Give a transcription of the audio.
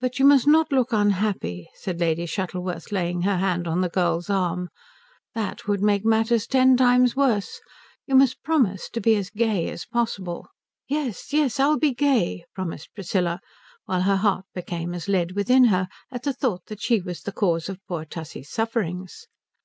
"But you must not look unhappy," said Lady Shuttleworth, laying her hand on the girl's arm, "that would make matters ten times worse. You must promise to be as gay as possible." "Yes, yes I'll be gay," promised Priscilla, while her heart became as lead within her at the thought that she was the cause of poor Tussie's sufferings.